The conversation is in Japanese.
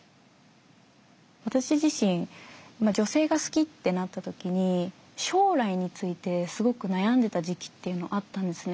私自身女性が好きってなった時に将来についてすごく悩んでた時期っていうのあったんですね。